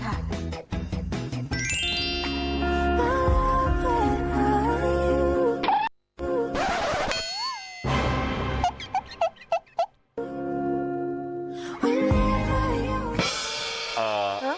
กำลังสเตอร์อาหาร